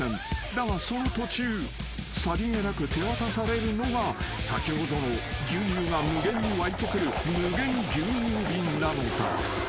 ［だがその途中さりげなく手渡されるのが先ほどの牛乳が無限に湧いてくる無限牛乳瓶なのだ］